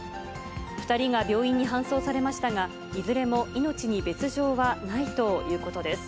２人が病院に搬送されましたが、いずれも命に別状はないということです。